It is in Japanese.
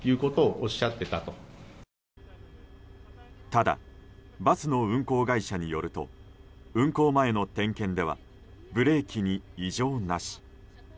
ただバスの運行管理者によると運行前の点検ではブレーキに異常なし。